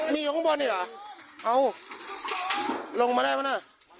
มีข้างบนอยู่เหรอลงมาได้มั้ยน่า